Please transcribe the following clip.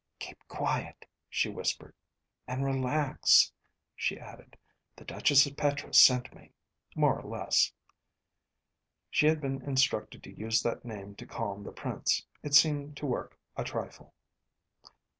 "Keep quiet," she whispered. "And relax," she added. "The Duchess of Petra sent me. More or less." She had been instructed to use that name to calm the prince. It seemed to work a trifle.